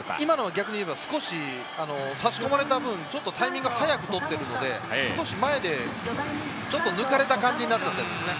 逆に言えば差し込まれた分、タイミングを早く取っているので、少し前でちょっと抜かれた感じになっちゃってるんですね。